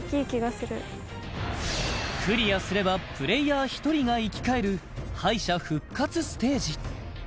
クリアすればプレイヤー１人が生き返る敗者復活ステージ